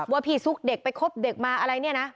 ว่าพี่ซุกเด็กไปคบเด็กมาอะไรเนี่ยนะ